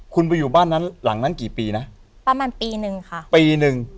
คุณไปอยู่บ้านนั้นหลังนั้นกี่ปีนะประมาณปีหนึ่งค่ะปีหนึ่ง